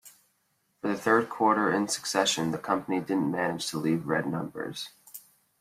For the third quarter in succession, the company didn't manage to leave red numbers.